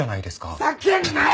ふざけんなよ！！